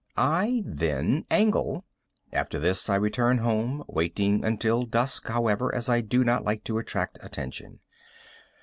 I then angle. After this I return home, waiting until dusk, however, as I do not like to attract attention.